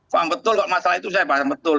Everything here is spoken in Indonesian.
faham betul masalah itu saya paham betul